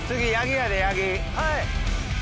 はい。